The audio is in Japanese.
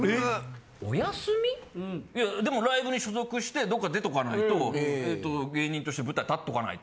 いやでもライブに所属してどっか出とかないと芸人として舞台立っとかないと。